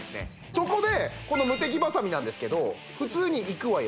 そこでこのムテキバサミなんですけど普通にいくわよ